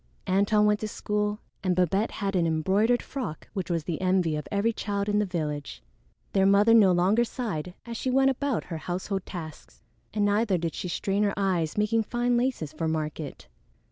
Antone went to school, and Babette had an embroidered frock which was the envy of every child in the village. Their mother no longer sighed as she went about her household tasks, and neither did she strain her eyes making fine laces for market.